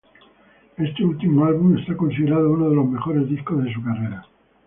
Este último álbum es considerado uno de los mejores discos de su carrera.